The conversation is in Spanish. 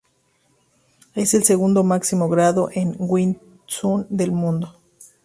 Es el segundo máximo grado en Wing Tsun del mundo.